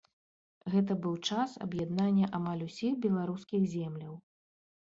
Гэта быў час аб'яднання амаль усіх беларускіх земляў.